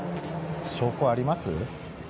証拠あります？